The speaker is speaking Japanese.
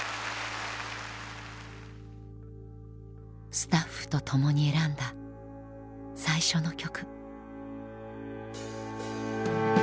スタッフと共に選んだ最初の曲。